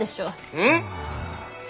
うん？